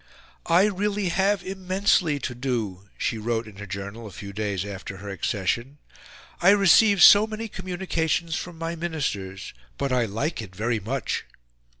"I really have immensely to do," she wrote in her Journal a few days after her accession; "I receive so many communications from my Ministers, but I like it very much."